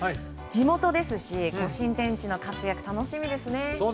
地元ですし新天地の活躍楽しみですね。